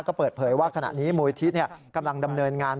ก็เปิดเผยว่าขณะนี้มูลิธิกำลังดำเนินงาน